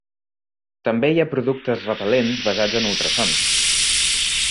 També hi ha productes repel·lents basats en ultrasons.